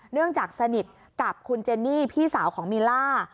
เนื่องจากสนิทกับคุณเจนนี่พี่สาวของมีล่า